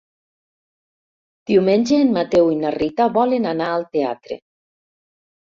Diumenge en Mateu i na Rita volen anar al teatre.